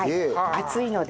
熱いので。